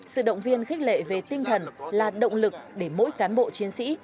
sự động viên khích lệ về tinh thần là động lực để mỗi cán bộ chiến sĩ